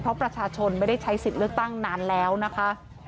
เพราะประชาชนไม่ได้ใช้สิทธิ์เลือกตั้งนานแล้วนะคะ